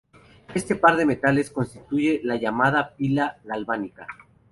Este par de metales constituye la llamada pila galvánica.